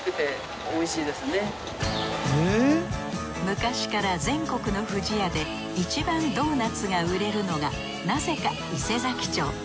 昔から全国の不二家でいちばんドーナツが売れるのがなぜか伊勢佐木町。